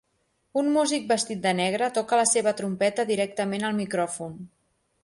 Un músic vestit de negre toca la seva trompeta directament al micròfon.